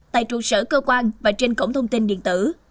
tại trụ sở cơ quan và trên cổng thông tin điện tử